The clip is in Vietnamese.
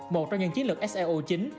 một trong những chiến lược seo chính